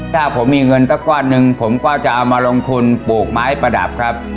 ถ้าผมมีเงินสักก้อนหนึ่งผมก็จะเอามาลงทุนปลูกไม้ประดับครับ